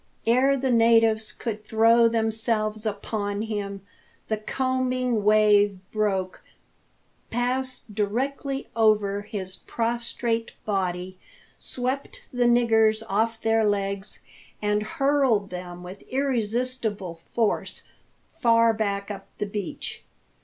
Ere the natives could throw themselves upon him, the combing wave broke, passed directly over his prostrate body, swept the niggers off their legs, and hurled them with irresistible force far up the beach.